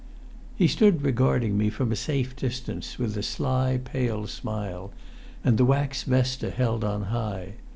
He stood regarding me from a safe distance, with a sly pale smile, and the wax vesta held on high.